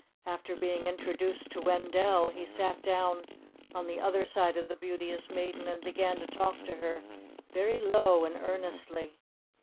After being introduced to Wendell, he sat down on the other side of the Beauteous Maiden, and began to talk to her very low and earnestly.